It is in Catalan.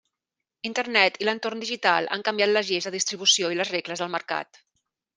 Internet i l'entorn digital han canviat les lleis de distribució i les regles del mercat.